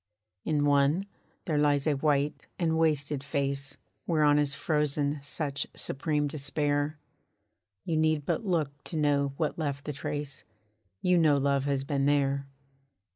In one, there lies a white and wasted face Whereon is frozen such supreme despair, You need but look to know what left the trace; You know love has been there.